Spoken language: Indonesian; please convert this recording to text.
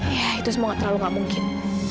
ya itu semua terlalu gak mungkin